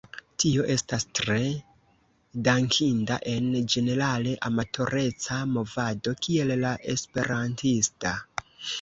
Tio estas tre dankinda en ĝenerale amatoreca movado kiel la esperantista.